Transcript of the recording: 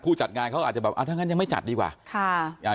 ผู้จัดงานเขาอาจจะแบบถ้างั้นยังไม่จัดดีกว่า